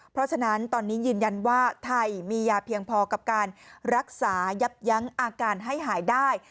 เพราะฉะนั้นตอนนี้ยืนยันว่าไทยมียาเพียงพอกับการรักษายับยั้งอาการให้หายได้